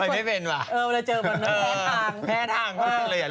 ไม่เป็นป่ะเหมือนเห็นเพื่อนหลังทาง